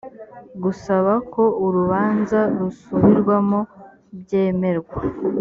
gusaba ko urubanza rusubirwamo byemerwa